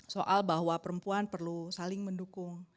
soal bahwa perempuan perlu saling mendukung